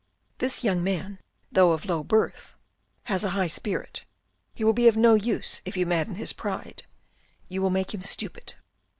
" This young man, though of low birth, has a high spirit. He will be of no use if you madden his pride. You will make him stupid."